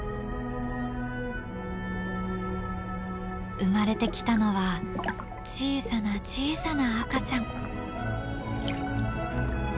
生まれてきたのは小さな小さな赤ちゃん。